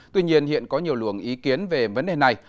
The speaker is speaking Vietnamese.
tuy nhiên hiện có nhiều luồng ý kiến về vấn đề này